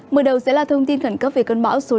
mở đầu sẽ là thông tin khẩn cấp về cơn bão số sáu